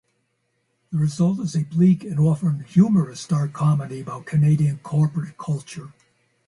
The result is a bleak and often humorous dark comedy about Canadian corporate culture.